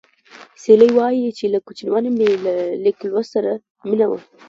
سیلۍ وايي چې له کوچنیوالي مې له لیک لوست سره مینه وه